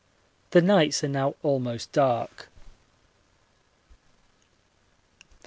The nights are now almost dark.